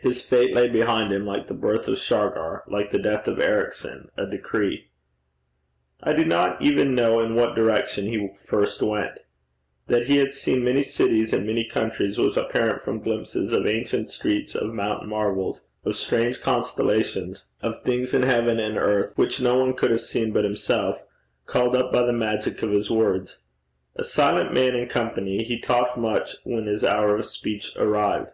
His fate lay behind him, like the birth of Shargar, like the death of Ericson, a decree. I do not even know in what direction he first went. That he had seen many cities and many countries was apparent from glimpses of ancient streets, of mountain marvels, of strange constellations, of things in heaven and earth which no one could have seen but himself, called up by the magic of his words. A silent man in company, he talked much when his hour of speech arrived.